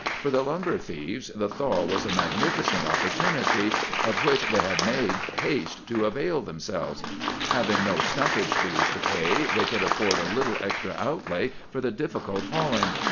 "For the lumber thieves the thaw was a magnificent opportunity, of which they made haste to avail themselves. Having no stumpage dues to pay, they could afford a little extra outlay for the difficult hauling.